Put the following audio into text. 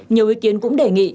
nhiều ý kiến cũng đề nghị